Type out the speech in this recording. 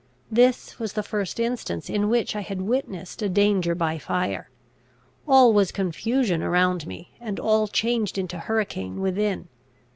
This was the first instance in which I had witnessed a danger by fire. All was confusion around me, and all changed into hurricane within.